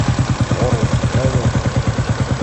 Ɣur-wen sebɛa warrac.